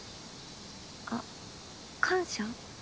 あっ感謝？